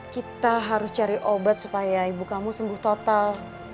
kita harus cari obat supaya ibu kamu sembuh total